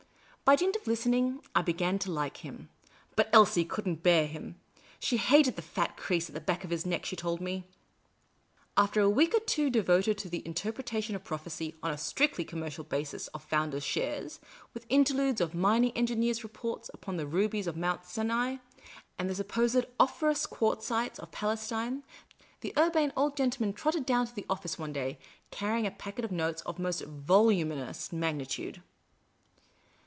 By dint of listening, I began to like him. But Elsie could n't bear him. She hated the fat crease at the back of his neck, she told me. After a week or two devoted to the Interpretation of Proph ecy on a strictly conunercial basis of Founders' Shares, with interludes of mining engineers' reports upon the rubies of Mount Sinai and the supposed auriferous quartzites of Pales tine, the Urbane Old Gentleman trotted down to the office one day, carrying a packet of notes of most voluminous magnitude.